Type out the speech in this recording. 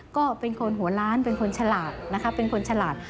ก็เป็นคนหัวล้านเป็นคนฉลาดนะคะเป็นคนฉลาด